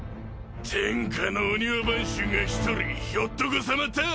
天下の御庭番衆が一人ひょっとこさまたぁ